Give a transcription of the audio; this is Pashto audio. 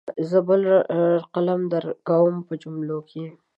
زه بل قلم درکوم په جملو کې.